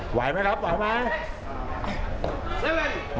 หวายหม๊ะครับหวายมะ